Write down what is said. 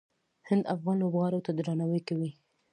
هند افغان لوبغاړو ته درناوی کوي.